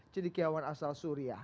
cedikiawan asal suria